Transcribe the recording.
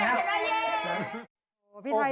ขอบคุณพี่ไทยที่ขอบคุณพี่ไทย